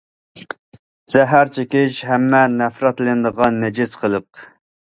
زەھەر چېكىش ھەممە نەپرەتلىنىدىغان نىجىس قىلىق.